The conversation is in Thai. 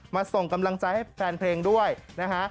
ส่งกำลังใจให้แฟนเพลงด้วยนะฮะ